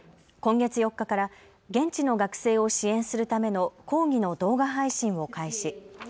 今月４日から現地の学生を支援するための講義の動画配信を開始。